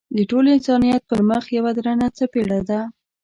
د ټول انسانیت پر مخ یوه درنه څپېړه ده.